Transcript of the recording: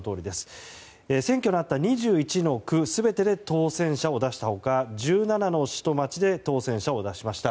選挙のあった２１の区全てで当選者を出した他１７の市と町で当選者を出しました。